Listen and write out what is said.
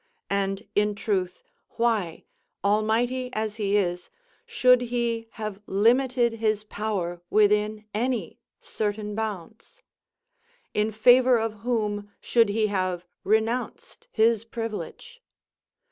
And, in truth, why, almighty as he is, should he have limited his power within any certain bounds? In favour of whom should he have renounced his privilege?